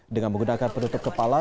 dengan menggunakan penutup kepala